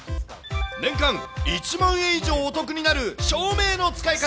年間１万円以上お得になる照明の使い方。